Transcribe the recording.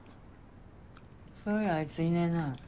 そういやあいついねぇな。